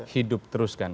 hidup terus kan